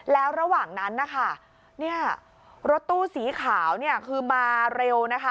แล้วระหว่างนั้นนะคะรถตู้สีขาวคือมาเร็ว